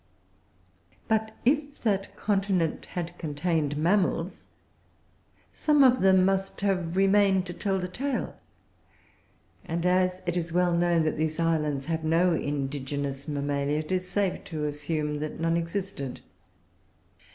But if that continent had contained Mammals, some of them must have remained to tell the tale; and as it is well known that these islands have no indigenous Mammalia, it is safe to assume that none existed.